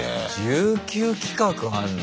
１９企画あるの。